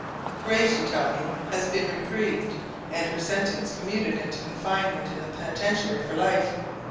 "Grace, you tell me, has been reprieved, and her sentence commuted into confinement in the Penitentiary for life.